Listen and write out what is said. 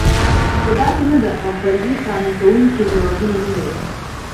خو داسې نه ده او فرضیې قانع کوونکي ځوابونه نه لري.